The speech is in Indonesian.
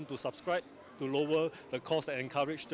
untuk menurunkan kos yang mereka beri kemampuan untuk menggunakannya